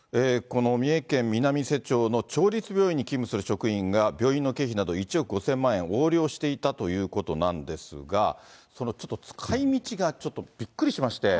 この三重県南伊勢町の町立病院に勤務する職員が、病院の経費など、１億５０００万円を横領していたということなんですが、そのちょっと、使いみちがちょっとびっくりしまして。